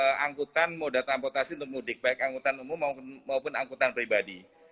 untuk angkutan moda transportasi untuk mudik baik angkutan umum maupun angkutan pribadi